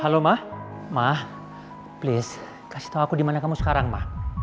halo ma ma please kasih tau aku dimana kamu sekarang ma